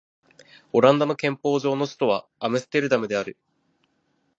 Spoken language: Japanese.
オランダの憲法上の首都はアムステルダムである